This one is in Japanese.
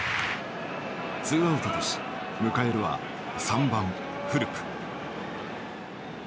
ツーアウトとし迎えるは３番フルプ。